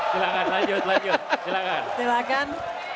silahkan lanjut lanjut